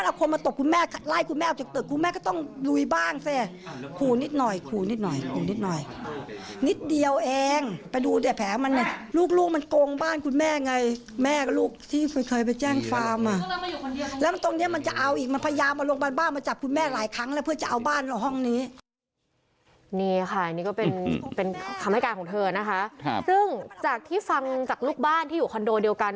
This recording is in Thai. นี่ค่ะนี่ก็เป็นคำให้การของเธอนะคะซึ่งจากที่ฟังจากลูกบ้านที่อยู่คอนโดเดียวกัน